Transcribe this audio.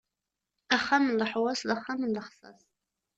Axxam n leḥwaṣ, d axxam n lexṣas.